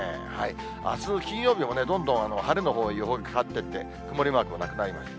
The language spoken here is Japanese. あすの金曜日もどんどん晴れの予報に変わっていって、曇りマークもなくなりました。